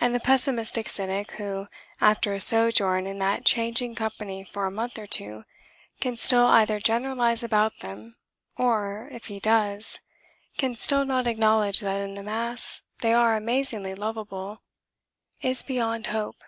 And the pessimistic cynic who, after a sojourn in that changing company for a month or two can still either generalise about them or (if he does) can still not acknowledge that in the mass they are amazingly lovable, is beyond hope.